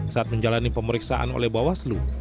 saat menjalani pemeriksaan oleh bawaslu